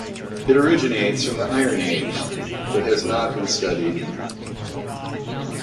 It originates from the Iron Age, but has not been studied.